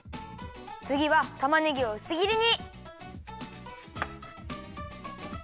つぎはたまねぎをうすぎりに。